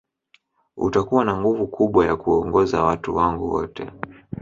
Utakuwa na nguvu kubwa ya kuongoza watu wangu wote